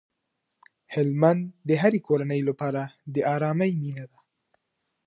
هلمند د هرې کورنۍ لپاره د ارامۍ مينه ده.